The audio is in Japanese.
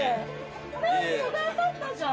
頑張ったじゃん。